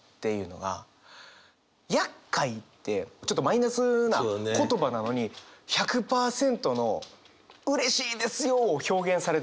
「厄介」ってちょっとマイナスな言葉なのに１００％のうれしいですよを表現されてる感覚なんですよね。